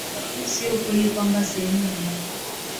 kwa sababu sio kweli kwamba sehemu ambapo